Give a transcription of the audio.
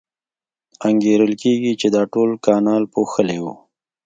انګېرل کېږي چې دا ټول کانال پوښلی و.